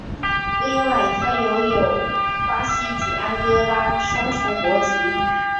另外他拥有巴西及安哥拉双重国籍。